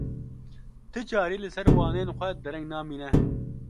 Ti carî li ser waneyên xwe dereng namîne.